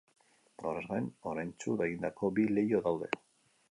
Horrez gain, oraintsu egindako bi leiho daude.